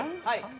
はい。